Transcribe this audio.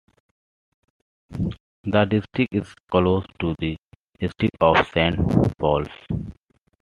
The district is close to the district of Saint Pauls.